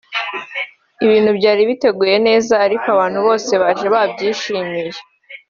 Ibintu byari biteguye neza kandi abantu bose baje babyishimiye